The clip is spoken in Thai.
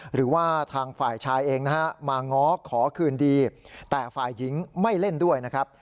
หรือว่าทางฝ่ายชายเองนะฮะมาง้อขอคืนดีแต่ฝ่ายหญิงไม่เล่นด้วยนะครับ